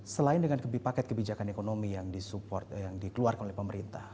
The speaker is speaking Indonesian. selain dengan paket kebijakan ekonomi yang dikeluarkan oleh pemerintah